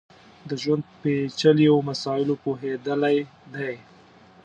د ژوند پېچلیو مسایلو پوهېدلی دی.